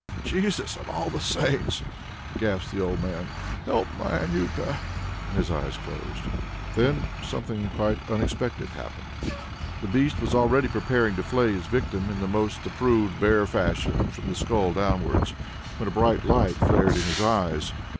"Jesus and all the saints," gasped the old man. "Help my Anjuta." And his eyes closed. Then something quite unexpected happened. The beast was already preparing to flay his victim in the most approved bear fashion from the skull downwards, when a bright light flared in his eyes.